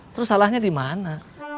terus salahnya di mana